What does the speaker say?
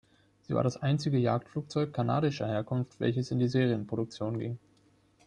Sie war das einzige Jagdflugzeug kanadischer Herkunft, welches in die Serienproduktion ging.